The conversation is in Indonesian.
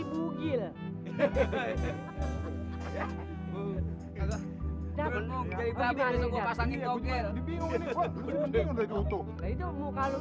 kapan menyengih gue menyungguh gak